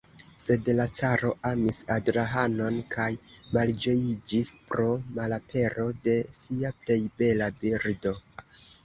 Sed la caro amis Adrahanon kaj malĝojiĝis pro malapero de sia plej bela birdo.